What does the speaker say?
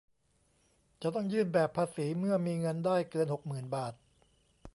จะต้องยื่นแบบภาษีเมื่อมีเงินได้เกิน หกหมื่น บาท